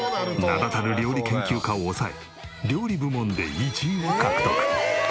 名だたる料理研究家を抑え料理部門で１位を獲得。